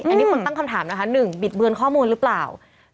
อันนี้คนตั้งคำถามนะคะ๑บิดเบือนข้อมูลหรือเปล่า